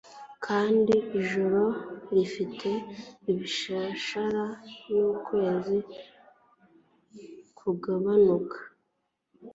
Kandi ijoro rifite ibishashara n'ukwezi kugabanuka.